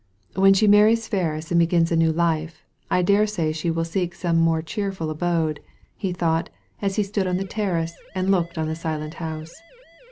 ''When she marries Ferris and begins a new life, I dare say she will seek some more cheerful abode," he thought, as he stood on the terrace, and looked on the silent house.